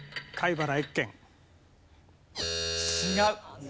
違う。